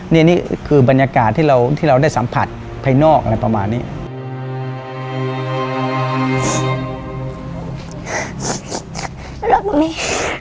นี่คือบรรยากาศที่เราที่เราได้สัมผัสภายนอกอะไรประมาณนี้